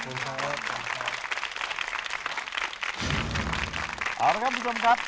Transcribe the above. เอาละครับคุณผู้ชมครับ